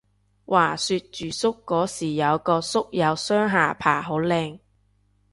話說住宿嗰時有個宿友雙下巴好靚